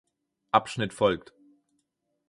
Abschnitt folgt.